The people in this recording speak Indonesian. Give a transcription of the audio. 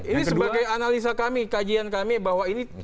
ini sebagai analisa kami kajian kami bahwa ini